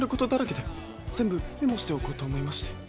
ぜんぶメモしておこうとおもいまして。